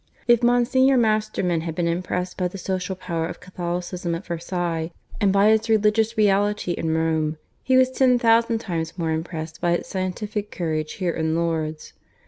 If Monsignor Masterman had been impressed by the social power of Catholicism at Versailles, and by its religious reality in Rome, he was ten thousand times more impressed by its scientific courage here in Lourdes.